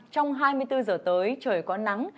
trong hai mươi bốn giờ tới trời có nắng